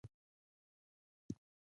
د ځمکې نقشه کول د حاصل لپاره ګټور دي.